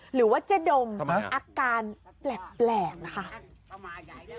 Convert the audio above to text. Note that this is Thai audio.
หรือว่าจะดมอาการแปลกค่ะทำไม